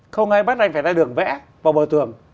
không ai bắt anh phải ra đường vẽ vào bờ tường